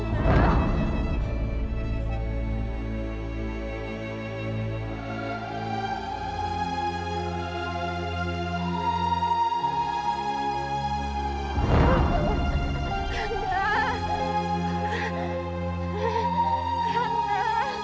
kanda lindungi nila kanda